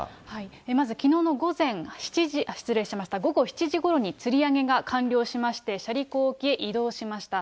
まずきのうの午後７時ごろにつり上げが完了しまして、斜里港沖へ移動しました。